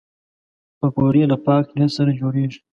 پکورې له پاک نیت سره جوړېږي